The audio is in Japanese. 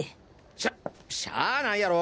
しゃしゃないやろ！